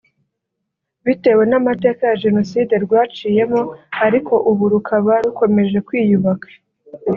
bitewe n’amateka ya Jenoside rwaciyemo ariko ubu rukaba rukomeje kwiyubaka